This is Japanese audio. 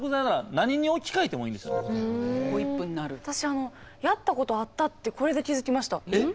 私やったことあったってこれで気付きました。